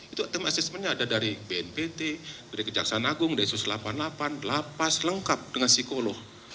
itu tim assessment nya ada dari bnpt dari kejaksaan agung dari sos delapan puluh delapan lapas lengkap dengan psikolog